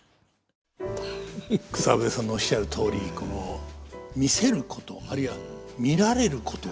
草笛さんのおっしゃるとおり「見せること」あるいは「見られること」。